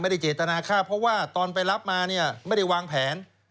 เจตนาฆ่าเพราะว่าตอนไปรับมาเนี่ยไม่ได้วางแผน